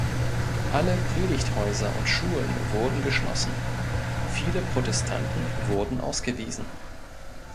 Alle Predigthäuser und Schulen wurden geschlossen. Viele Protestanten wurden ausgewiesen.